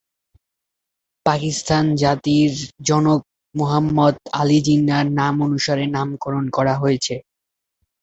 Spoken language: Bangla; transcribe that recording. পাকিস্তানের জাতির জনক মুহাম্মদ আলী জিন্নাহর নামানুসারে নামকরণ করা হয়েছে।